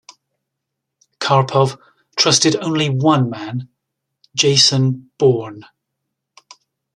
Karpov trusted only one man: Jason Bourne.